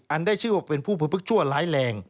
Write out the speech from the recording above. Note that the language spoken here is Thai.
ได้ชื่อว่าเป็นผู้ประพฤกษั่วร้ายแรง